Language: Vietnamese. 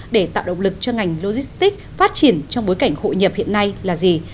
để tạo động lực cho ngành logistics phát triển trong bối cảnh hội nhập hiện nay là gì